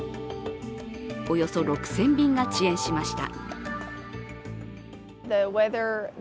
およそ６０００便が遅延しました。